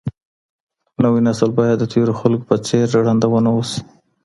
نوی نسل باید د تېرو خلګو په څېر ړانده ونه اوسي.